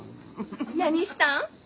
何したん？